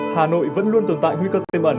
hà nội vẫn luôn tồn tại nguy cơ tiềm ẩn